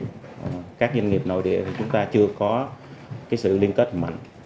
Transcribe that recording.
trong khi các doanh nghiệp nội địa thì chúng ta chưa có sự liên kết mạnh